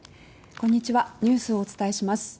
こんにちは、ニュースをお伝えします。